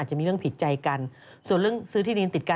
โอลี่คัมรี่ยากที่ใครจะตามทันโอลี่คัมรี่ยากที่ใครจะตามทัน